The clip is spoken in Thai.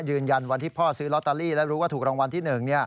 ยืนยันวันที่พ่อซื้อลอตเตอรี่และรู้ว่าถูกรางวัลที่๑